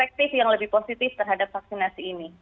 dan perspektif yang lebih positif terhadap vaksinasi ini